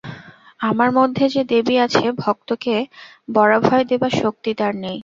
আমার মধ্যে যে দেবী আছে ভক্তকে বরাভয় দেবার শক্তি তার নেই?